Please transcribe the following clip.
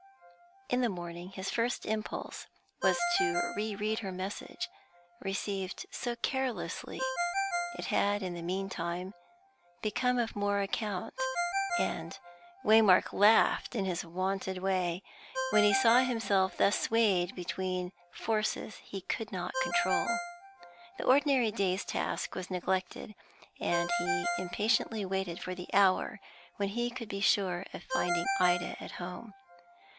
In the morning his first impulse was to re read her message; received so carelessly, it had in the meantime become of more account, and Waymark laughed in his wonted way as he saw himself thus swayed between forces he could not control. The ordinary day's task was neglected, and he impatiently waited for the hour when he could be sure of finding Ida at home.